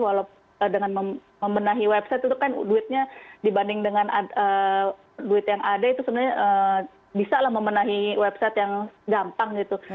walaupun dengan membenahi website itu kan duitnya dibanding dengan duit yang ada itu sebenarnya bisa lah membenahi website yang gampang gitu